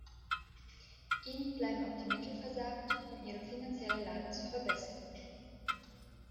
Ihnen bleiben auch die Mittel versagt, um ihre finanzielle Lage zu verbessern.